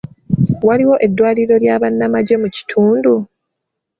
Waliwo eddwaliro ly'abannamagye mu kitundu?